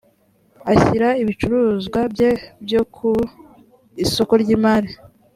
ashyira ibicuruzwa bye byo ku isoko ry imari